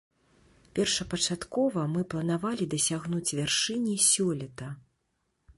Першапачаткова мы планавалі дасягнуць вяршыні сёлета.